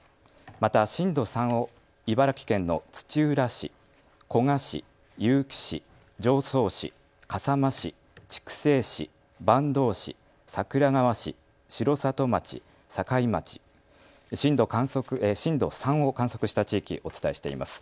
また震度３を茨城県の土浦市、古河市、結城市、常総市、笠間市、筑西市、坂東市、桜川市、城里町、境町、震度３を観測した地域、お伝えしています。